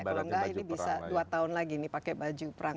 kalau enggak ini bisa dua tahun lagi nih pakai baju perang